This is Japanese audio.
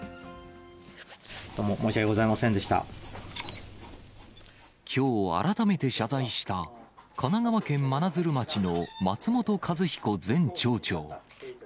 どうも申し訳ございませんできょう、改めて謝罪した、神奈川県真鶴町の松本一彦前町長。